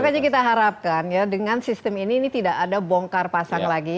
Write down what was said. makanya kita harapkan ya dengan sistem ini ini tidak ada bongkar pasang lagi